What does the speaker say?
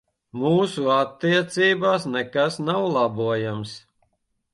Mūsu attiecībās nekas nav labojams.